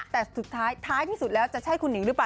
แต่สุดท้ายท้ายที่สุดแล้วจะใช่คุณหิงหรือเปล่า